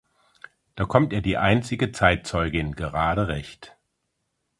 Da kommt ihr die einzige Zeitzeugin gerade recht.